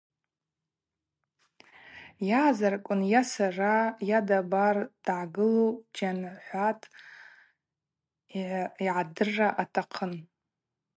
Йаъазарквын йа сара, йа, дабар дъагылу Джьанхӏватӏ, йыгӏдырра атахъын.